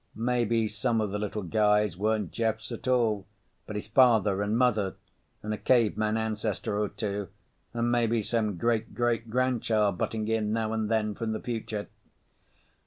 Maybe some of the little guys weren't Jeffs at all, but his father and mother and a caveman ancestor or two and maybe some great great grandchild butting in now and then from the future....